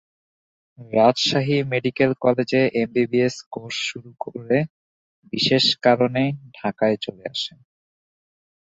Rajshahi medical কলেজে MBBS course শুরু করে বিশেষ কারণে ঢাকায় চলে আসেন।